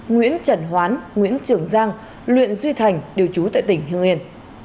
nguyễn trần hoán nguyễn trường giang luyện duy thành đều chú tại tỉnh hưng yên